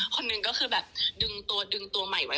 คนหนึ่งก็คือแบบดึงตัวดึงตัวใหม่ไว้